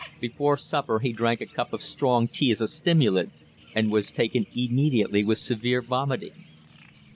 Before supper he drank a cup of strong tea as a stimulant, and was taken immediately with severe vomiting.